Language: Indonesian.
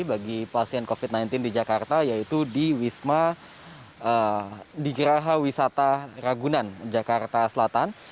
bagi pasien covid sembilan belas di jakarta yaitu di wisma di geraha wisata ragunan jakarta selatan